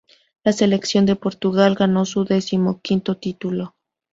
La selección de Portugal ganó su decimoquinto título.